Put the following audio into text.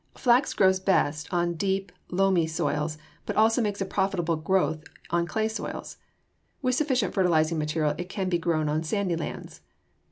Flax grows best on deep, loamy soils, but also makes a profitable growth on clay soils. With sufficient fertilizing material it can be grown on sandy lands.